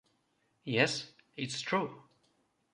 Yes, it’s true.